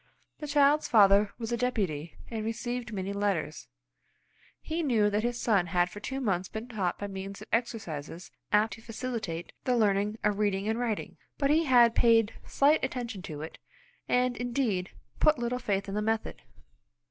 The child's father was a Deputy, and received many letters. He knew that his son had for two months been taught by means of exercises apt to facilitate the learning of read ing and writing, but he had paid slight attention to it, and, indeed, put little faith in the method.